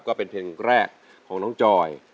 ก็เป็นเพลงแรกของน้องจอย